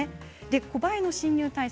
コバエの侵入対策